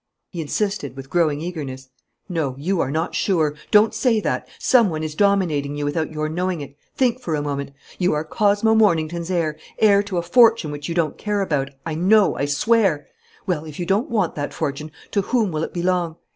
He insisted, with growing eagerness: "No, you are not sure; don't say that. Some one is dominating you without your knowing it. Think for a moment. You are Cosmo Mornington's heir, heir to a fortune which you don't care about, I know, I swear! Well, if you don't want that fortune, to whom will it belong?